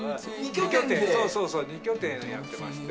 そうそう二拠点やってまして。